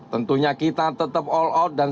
tentunya kita tetap all out dan